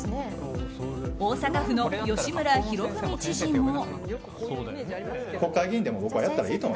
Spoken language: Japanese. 大阪府の吉村洋文知事も。